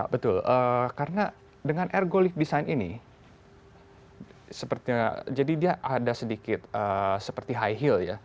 betul karena dengan ergolift design ini jadi dia ada sedikit seperti high heel ya